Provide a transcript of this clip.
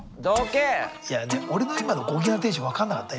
いやオレの今のご機嫌なテンション分かんなかった？